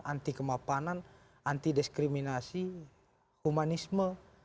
anti kemapanan anti diskriminasi humanisme